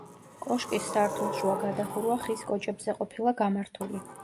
კოშკის სართულშუა გადახურვა ხის კოჭებზე ყოფილა გამართული.